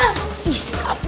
ini kita lihat